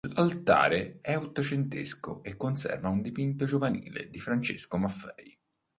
L'altare è ottocentesco e conserva un dipinto giovanile di Francesco Maffei.